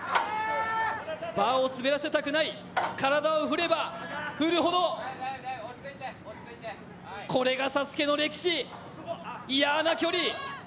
バーを滑らせたくない、体を振れば振るほど、これがＳＡＳＵＫＥの歴史、嫌な距離。